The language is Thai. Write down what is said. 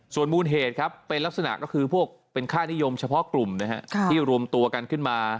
ส่วนมูลเหตุครับเป็นลักษณะก็คือพวกเป็นค่านิยมเฉพาะกลุ่มที่รวมตัวกันขึ้นมา